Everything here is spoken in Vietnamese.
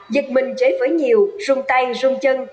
giật mình chế phở nhiều rung tay rung chân